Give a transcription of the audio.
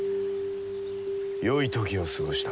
よい時を過ごした。